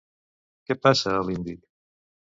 Què passa a l'Índic?